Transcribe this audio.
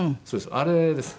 あれです。